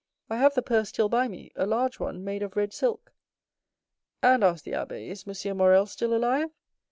I have the purse still by me—a large one, made of red silk." "And," asked the abbé, "is M. Morrel still alive?"